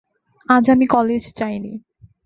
আজ আমি কলেজে যাই নি।